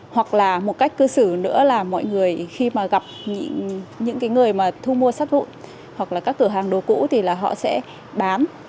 hoặc là một cách cư xử nữa là mọi người khi mà gặp những người mà thu mua sát hụt hoặc là các cửa hàng đồ cũ thì là họ sẽ bán